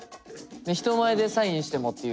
人前でサインしてもっていう。